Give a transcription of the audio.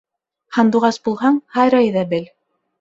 Һандуғас булһаң, һайрай ҙа бел.